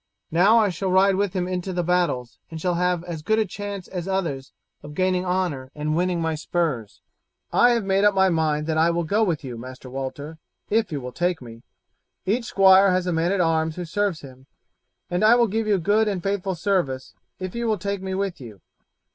Now I shall ride with him into the battles and shall have as good a chance as the others of gaining honour and winning my spurs." "I have made up my mind that I will go with you, Master Walter, if you will take me; each squire has a man at arms who serves him, and I will give you good and faithful service if you will take me with you.